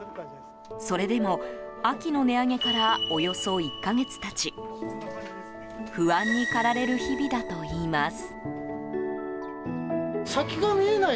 それでも、秋の値上げからおよそ１か月経ち不安に駆られる日々だといいます。